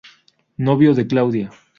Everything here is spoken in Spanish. Novio de Claudia.